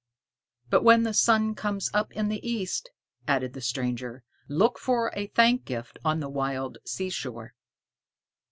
"But when the sun comes up in the east," added the stranger, "look for a thank gift on the wild seashore."